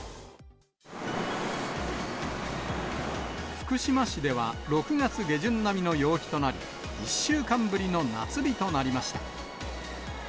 福島市では６月下旬並みの陽気となり、１週間ぶりの夏日となりました。